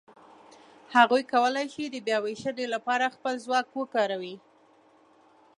هغوی کولای شي د بیاوېشنې لهپاره خپل ځواک وکاروي.